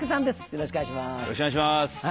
よろしくお願いします。